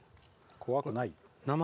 怖くない。